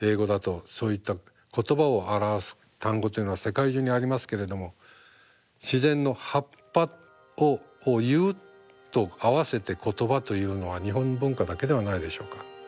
そういった「言葉」を表す単語というのは世界中にありますけれども「自然の葉っぱ」を「言う」と合わせて「言葉」というのは日本文化だけではないでしょうか。